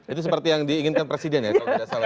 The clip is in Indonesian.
itu seperti yang diinginkan presiden ya kalau tidak salah ya